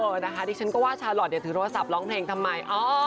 นะคะดิฉันก็ว่าชาลอทถือโทรศัพท์ร้องเพลงทำไม